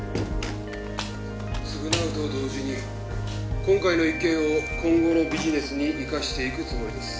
「償うと同時に今回の一件を今後のビジネスに生かしていくつもりです」